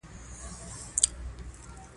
هلمند سیند د افغانستان د سیلګرۍ برخه ده.